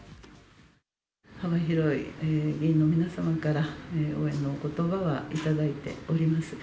幅広い議員の皆様から応援のことばは頂いております。